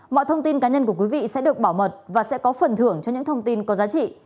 mọi thông tin cá nhân của quý vị sẽ được bảo mật và sẽ có phần thưởng cho những thông tin có giá trị